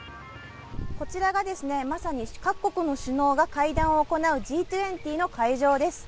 こちらがですね、まさに各国の首脳が会談を行うＧ２０の会場です。